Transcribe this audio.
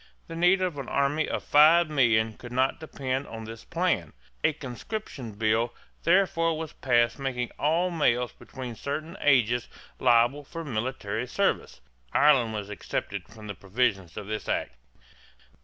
The need of an army of five million could not depend on this plan. A conscription bill therefore was passed making all males between certain ages liable for military service. Ireland was excepted from the provisions of this act.